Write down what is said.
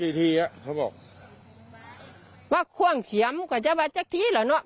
กี่ทีอ่ะเขาบอกว่าคว่างเฉียมก็จะมาจากที่หรอเนอะ